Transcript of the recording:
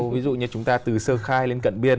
ví dụ như chúng ta từ sơ khai lên cận biên